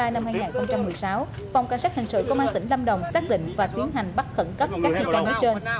năm hai nghìn một mươi sáu phòng cảnh sát hình sự công an tỉnh lâm đồng xác định và tiến hành bắt khẩn cấp các thị trang ở trên